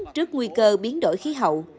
trước nguy cơ biến đổi khí hậu